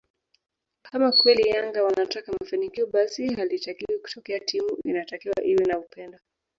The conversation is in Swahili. kama kweli Yanga wanataka mafanikio basi halitakiwi kutokea timu inatakiwa iwe na upendo